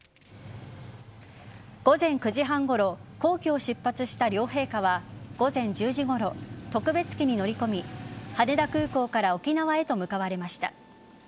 午前９時半ごろ皇居を出発した両陛下は午前１０時ごろ特別機に乗り込み羽田空港から沖縄へと向かわれました。